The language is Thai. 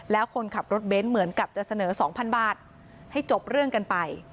แล้วคนขับรถเบนท์เหมือนกับจะเสนอ๒๐๐บาทให้จบเรื่องกันไป